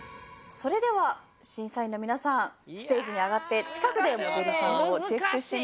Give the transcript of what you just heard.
それでは審査員の皆さんステージに上がって近くでモデルさんをチェックしてみてください。